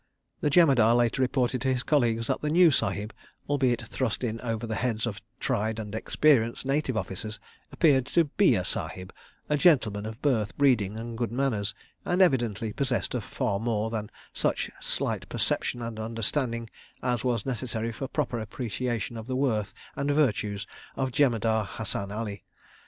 ... The Jemadar later reported to his colleagues that the new Sahib, albeit thrust in over the heads of tried and experienced Native Officers, appeared to be a Sahib, a gentleman of birth, breeding, and good manners; and evidently possessed of far more than such slight perception and understanding as was necessary for proper appreciation of the worth and virtues of Jemadar Hassan Ali.